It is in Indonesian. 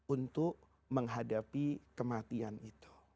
untuk menghadapi kematian itu